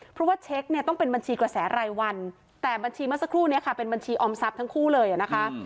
เพราะว่าเช็คเนี้ยต้องเป็นบัญชีกระแสรายวันแต่บัญชีมาสักครู่เนี้ยค่ะ